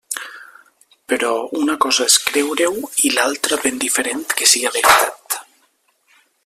Però... una cosa és creure-ho, i l'altra ben diferent que siga veritat!